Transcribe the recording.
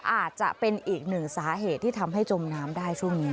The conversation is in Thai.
อาจจะเป็นอีกหนึ่งสาเหตุที่ทำให้จมน้ำได้ช่วงนี้